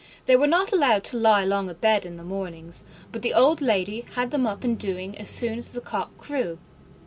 They were not allowed to lie long abed in the mornings, but the old lady had them up and doing as soon as the cock crew.